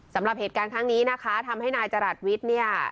สำหรับเหตุการณ์ครั้งนี้นะคะทำให้นายจรัสวิทย์เนี่ย